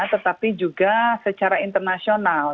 tetapi juga secara internasional